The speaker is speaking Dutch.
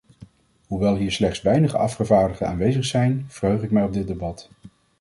Hoewel hier slechts weinige afgevaardigden aanwezig zijn, verheug ik mij op dit debat.